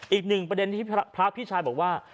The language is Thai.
อีกหนึ่งประเด็นที่พระพี่ชายบอกว่า